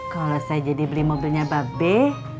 kalau saya jadi beli mobilnya bape